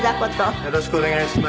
よろしくお願いします。